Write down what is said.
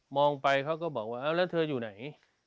ไปเขาก็บอกว่าเอาแล้วเธออยู่ไหน